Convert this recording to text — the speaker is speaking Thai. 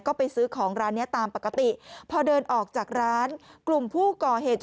ก็ไปซื้อของร้านนี้ตามปกติพอเดินออกจากร้านกลุ่มผู้ก่อเหตุ